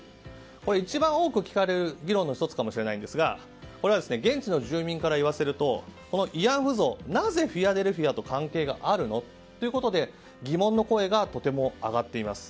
これは一番多く聞かれる意見の１つかもしれませんがこれは現地の住民から言わせると慰安婦像がなぜフィラデルフィアと関係があるの？ということで疑問の声がとても上がっています。